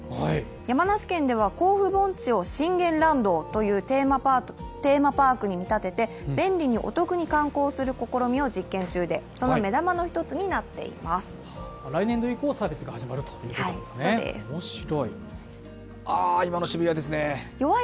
山梨県では甲府盆地をシンゲンンランドというテーマパークに見立てて便利にお得に観光する試みを実験中で、来年度以降、サービスが始まるということなんですね、面白い。